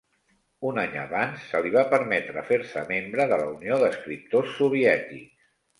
Un any abans, se li va permetre fer-se membre de la Unió d'escriptors soviètics.